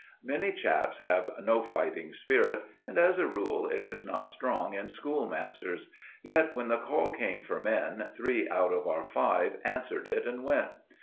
Many chaps have no fighting spirit, and, as a rule, it is not strong in schoolmasters; yet when the call came for men, three out of our five answered it and went.